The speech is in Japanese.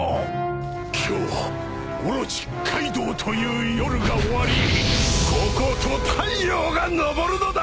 今日オロチカイドウという夜が終わりこうこうと太陽が昇るのだ！